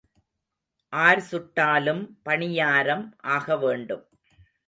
R சுட்டாலும் பணியாரம் ஆகவேண்டும்.